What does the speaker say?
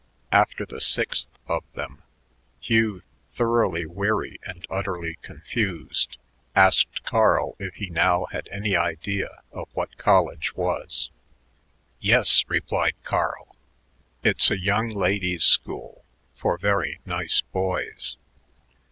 After the sixth of them, Hugh, thoroughly weary and utterly confused, asked Carl if he now had any idea of what college was. "Yes," replied Carl; "it's a young ladies' school for very nice boys."